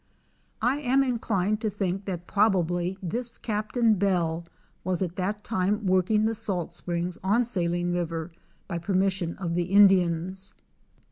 I am inclined to think that probably this Captain Bell was at that time working the salt springs on Saline river by permission of the Indians.